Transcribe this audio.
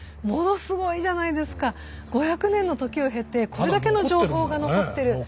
５００年の時を経てこれだけの情報が残ってる。